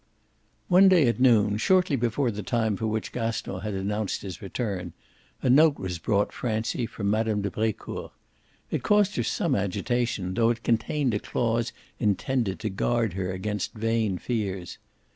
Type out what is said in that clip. XI One day at noon, shortly before the time for which Gaston had announced his return, a note was brought Francie from Mme. de Brecourt. It caused her some agitation, though it contained a clause intended to guard her against vain fears.